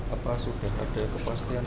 apa sudah ada kepastian kalau itu gaisang